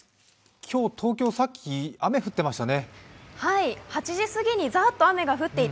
今日、東京、さっき雨降ってましたね？